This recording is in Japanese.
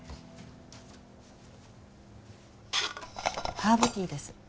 ハーブティーです